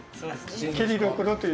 蹴りろくろという。